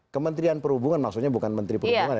kementerian perhubungan maksudnya bukan menteri perhubungan